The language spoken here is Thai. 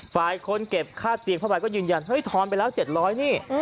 ฝ่ายคนเก็บค่าเตียงผ้าใบก็ยืนยันเฮ้ยทอนไปแล้ว๗๐๐นี่